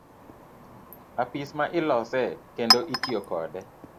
Apis ma ilose kendo itiyo kode.